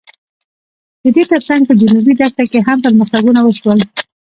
د دې تر څنګ په جنوبي دښته کې هم پرمختګونه وشول.